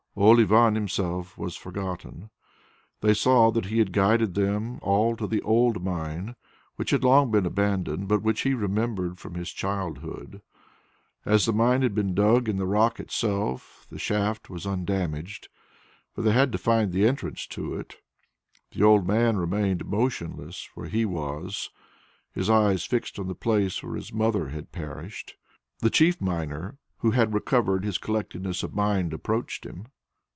Old Ivan himself was forgotten. They saw that he had guided them all to the old mine, which had been long abandoned, but which he remembered from his childhood. As the mine had been dug in the rock itself, the shaft was undamaged, but they had to find the entrance to it. The old man remained motionless where he was, his eyes fixed on the place where his mother had perished. The chief miner, who had recovered his collectedness of mind, approached him.